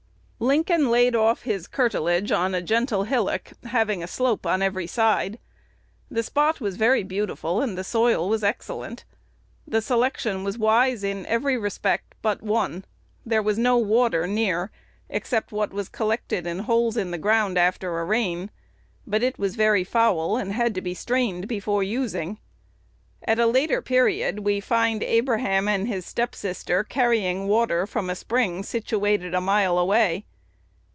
Lincoln laid off his curtilage on a gentle hillock having a slope on every side. The spot was very beautiful, and the soil was excellent. The selection was wise in every respect but one. There was no water near, except what was collected in holes in the ground after a rain; but it was very foul, and had to be strained before using. At a later period we find Abraham and his step sister carrying water from a spring situated a mile away.